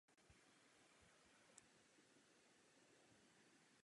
Ta se od něj lišila absencí záchranných motorů na tuhá paliva.